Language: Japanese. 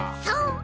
そう。